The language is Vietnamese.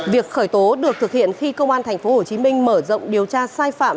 việc khởi tố được thực hiện khi công an tp hcm mở rộng điều tra sai phạm